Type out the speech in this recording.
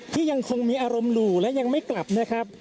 ที่ยังคงมีอารมณ์หลู่และยังไม่กลับนะครับ